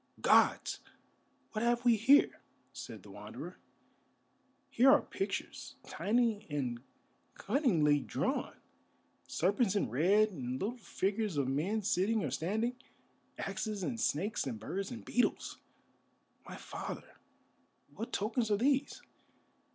"Gods! What have we here?" said the Wanderer. "Here are pictures, tiny and cunningly drawn, serpents in red, and little figures of men sitting or standing, axes and snakes and birds and beetles! My father, what tokens are these?"